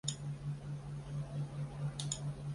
这是月之海相隔十三年又五个月的新专辑。